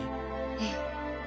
ええ。